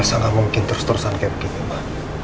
elsa gak mungkin terus terusan kayak begini ma